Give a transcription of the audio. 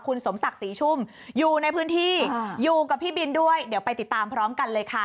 คุณสมศักดิ์ศรีชุ่มอยู่ในพื้นที่อยู่กับพี่บินด้วยเดี๋ยวไปติดตามพร้อมกันเลยค่ะ